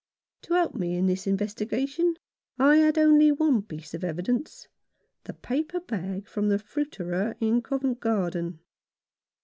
To help me in this investigation I had only one piece of evidence — the paper bag from the fruiterer in Covent Garden.